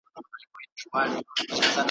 یو کړي ځان ستړی د ژوند پر لاره ,